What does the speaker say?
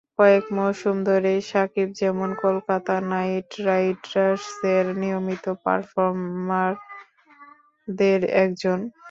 কয়েক মৌসুম ধরেই সাকিব যেমন কলকাতা নাইট রাইডার্সের নিয়মিত পারফরমারদের একজন।